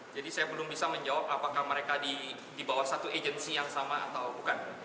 jadi saya belum bisa menjawab apakah mereka di bawah satu agensi yang sama atau bukan